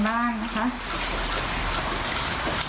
เหมือนนี้